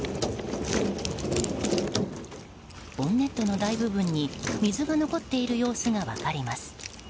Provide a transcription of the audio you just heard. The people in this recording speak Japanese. ボンネットの大部分に水が残っている様子が分かります。